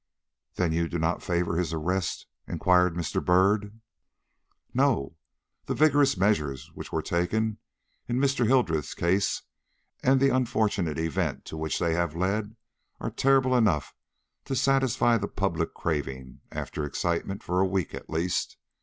"Then you do not favor his arrest?" inquired Mr. Byrd. "No. The vigorous measures which were taken in Mr. Hildreth's case, and the unfortunate event to which they have led, are terrible enough to satisfy the public craving after excitement for a week at least.